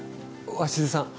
鷲津さん